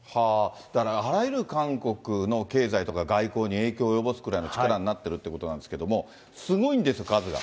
だからあらゆる韓国の経済とか外交に影響を及ぼすくらいの力になってるっていうことなんですけれども、すごいんですよ、数が。